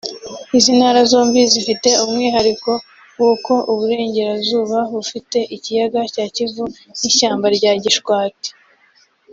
Izi ntara zombi zifite umwihariko w’uko Uburengerazuba bufite ikiyaga cya Kivu n’ishyamba rya Gishwati